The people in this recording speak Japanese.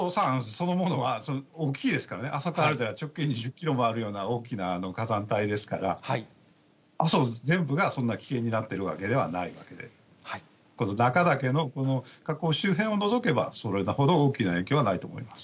そのものは大きいですからね、あそこ歩いたら、直径２０キロあるような大きな火山帯ですから、阿蘇全部がそんな危険になっているわけではないわけで、この中岳の火口周辺だけを除けば、それほど大きな影響はないと思います。